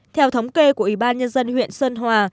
theo thống kê của ủy ban nhân dân huyện sơn hòa